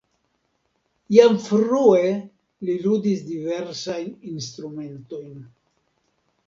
Jam frue li ludis diversajn instrumentojn.